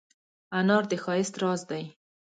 انار د ښایست راز دی.